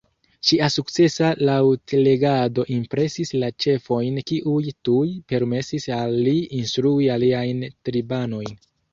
Ŝia sukcesa laŭtlegado impresis la ĉefojn kiuj tuj permesis al li instrui aliajn tribanojn